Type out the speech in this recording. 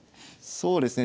そうですね